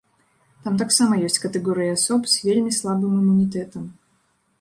Там таксама ёсць катэгорыі асоб з вельмі слабым імунітэтам.